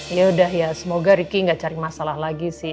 yaudah ya semoga riki gak cari masalah lagi sih